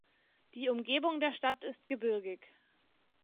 Die Umgebung der Stadt ist gebirgig.